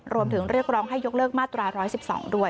เรียกร้องให้ยกเลิกมาตรา๑๑๒ด้วย